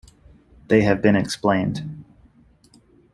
They have been explained.